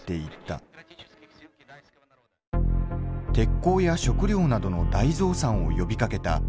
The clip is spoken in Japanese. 鉄鋼や食糧などの大増産を呼びかけた大躍進運動。